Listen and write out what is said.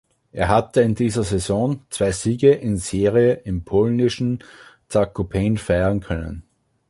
Er hatte in dieser Saison zwei Siege in Serie im polnischen Zakopane feiern können.